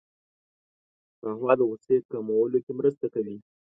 قهوه د غوسې کمولو کې مرسته کوي